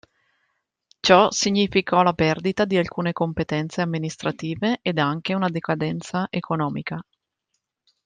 Ciò significò la perdita di alcune competenze amministrative ed anche una decadenza economica.